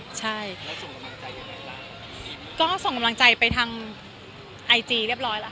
นีโม่โอเคค่ะมีตัวอื่นอีกไหมคะ